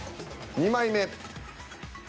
２枚目。